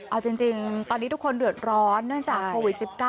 เอาจริงตอนนี้ทุกคนเดือดร้อนเนื่องจากโควิด๑๙